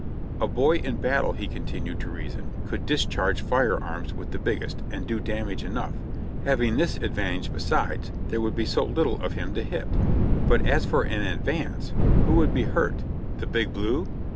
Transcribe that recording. A boy in battle, he continued to reason, could discharge firearms with the biggest, and do damage enough; having this advantage besides, there would be so little of him to hit; but as for an advance, — who would be hurt, the big blue